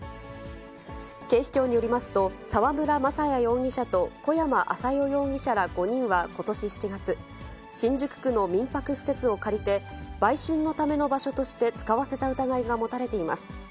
警視庁によりますと、沢村雅也容疑者と小山麻代容疑者ら５人はことし７月、新宿区の民泊施設を借りて、売春のための場所として使わせた疑いが持たれています。